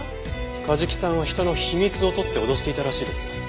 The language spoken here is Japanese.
梶木さんは人の秘密を撮って脅していたらしいですね。